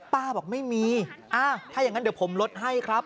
บอกไม่มีถ้าอย่างนั้นเดี๋ยวผมลดให้ครับ